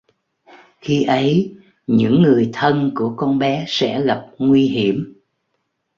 khi ấy những người thân của con bé sẽ gặp nguy hiểm